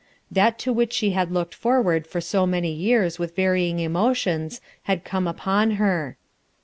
That to which she had looked forward for so many years with varying emotions had come upon her.